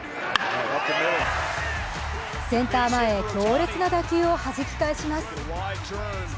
センター前へ強烈な打球をはじき返します。